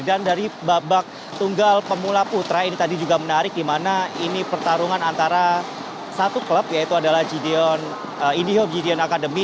dan dari babak tunggal pemula putra ini tadi juga menarik dimana ini pertarungan antara satu klub yaitu adalah indihobe gideon academy